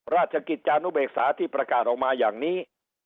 ราชกิจจานุเบกษาที่ประกาศออกมาอย่างนี้